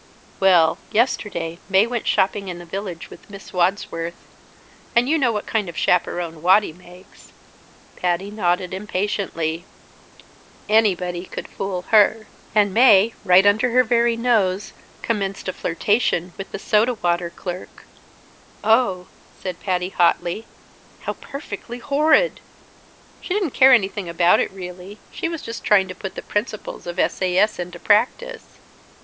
"Well, yesterday, Mae went shopping in the village with Miss Wadsworth and you know what kind of a chaperone Waddy makes." Patty nodded impatiently. "Anybody could fool her. And Mae, right under her very nose, commenced a flirtation with the Soda Water Clerk." "Oh!" said Patty hotly. "How perfectly horrid!" "She didn't care anything about it, really. She was just trying to put the principles of the S. A. S. into practice."